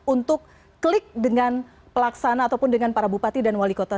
untuk klik dengan pelaksana ataupun dengan para bupati dan wali kota